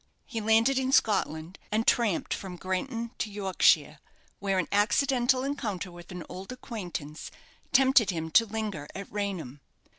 He landed in Scotland, and tramped from Granton to Yorkshire, where an accidental encounter with an old acquaintance tempted him to linger at Raynham.